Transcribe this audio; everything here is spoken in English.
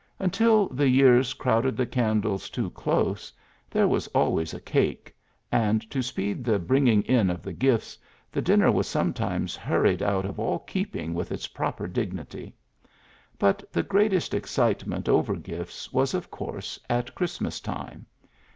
Until the years crowded the candles too close, there was always a cake ; and, to speed the bringing in of the gifts, the dinner was sometimes hur ried out of all keeping with its proper dignity. But the greatest excitement over gifts was of course at Christmas time.